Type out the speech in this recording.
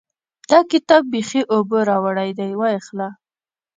دا کتاب بېخي اوبو راوړی دی؛ وايې خله.